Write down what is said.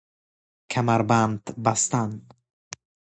کمربند بستن